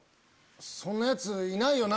そんなヤツいないよな？